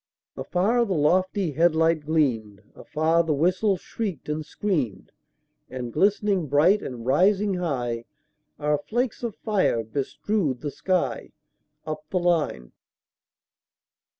Afar the lofty head light gleamed; Afar the whistle shrieked and screamed; And glistening bright, and rising high, Our flakes of fire bestrewed the sky, Up the line.